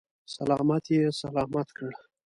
سلامت یې سلامت کړ.